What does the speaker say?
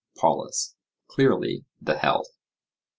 POLUS: Clearly, the health.